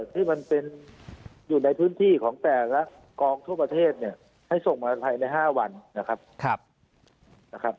ที่มันเป็นอยู่ในพื้นที่ของแต่ละกองทั่วประเทศเนี่ยให้ส่งมาภายใน๕วันนะครับ